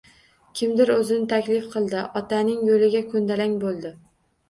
Kimdir o‘zini taklif qildi, otaning yo‘liga ko‘ndalang bo‘ldi